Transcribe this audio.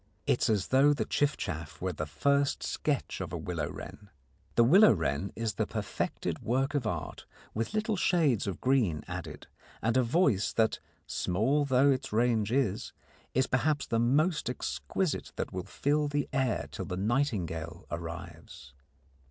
It is as though the chiffchaff were the first sketch of a willow wren. The willow wren is the perfected work of art, with little shades of green added and a voice that, small though its range is, is perhaps the most exquisite that will fill the air till the nightingale arrives.